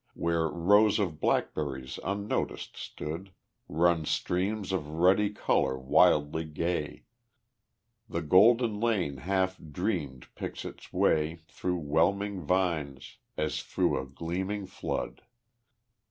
Where rows of blackberries unnoticed stood, Run streams of ruddy color wildly gay; The golden lane half dreaming picks its way Through 'whelming vines, as through a gleaming flood.